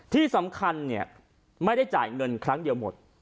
ที่สำคัญเนี่ยไม่ได้จ่ายเงินครั้งเดียวหมด